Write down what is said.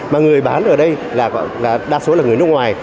mà người bán ở đây là đa số là người nước ngoài